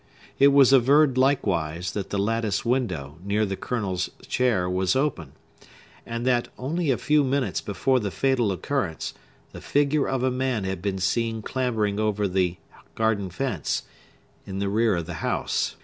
It was averred, likewise, that the lattice window, near the Colonel's chair, was open; and that, only a few minutes before the fatal occurrence, the figure of a man had been seen clambering over the garden fence, in the rear of the house.